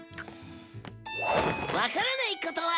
わからないことは。